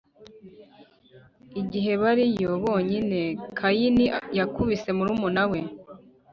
Igihe bariyo bonyine Kayini yakubise murumuna we